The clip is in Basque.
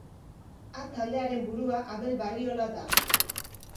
A taldearen burua Abel Barriola da.